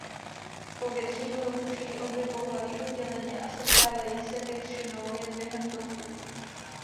Po většinu roku žijí obě pohlaví odděleně a setkávají se většinou jen během toku.